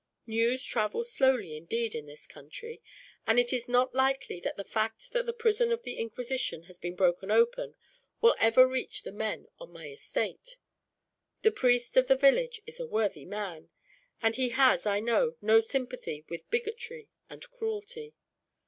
"News travels slowly, indeed, in this country; and it is not likely that the fact that the prison of the Inquisition has been broken open will ever reach the men on my estate. The priest of the village is a worthy man; and he has, I know, no sympathy with bigotry and cruelty.